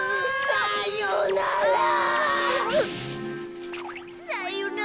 さよなら。